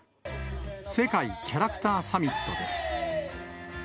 世界キャラクターさみっとです。